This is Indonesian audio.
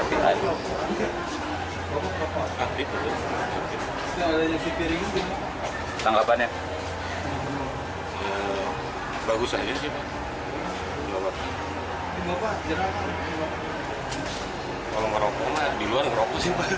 kalau merokok di luar merokok sih pak